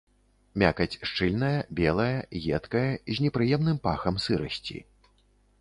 Мякаць шчыльная, белая, едкая, з непрыемным пахам сырасці.